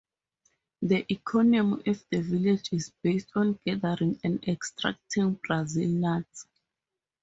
The economy of the village is based on gathering and extracting Brazil nuts.